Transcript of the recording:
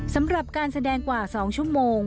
สำหรับการแสดงกว่า๒ชั่วโมง